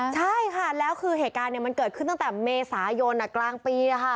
ใช่ค่ะแล้วคือเหตุการณ์มันเกิดขึ้นตั้งแต่เมษายนกลางปี